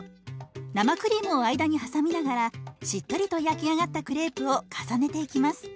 生クリームを間に挟みながらしっとりと焼き上がったクレープを重ねていきます。